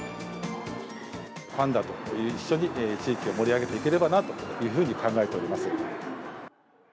パンダと一緒に地域を盛り上げていければなというふうに考えております。